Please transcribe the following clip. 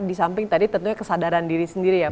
di samping kesadaran diri sendiri